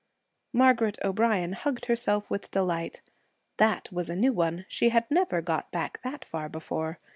Margaret O'Brien hugged herself with delight. That was a new one; she had never got back that far before.